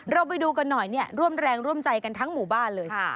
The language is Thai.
ไปดูกันหน่อยเนี่ยร่วมแรงร่วมใจกันทั้งหมู่บ้านเลย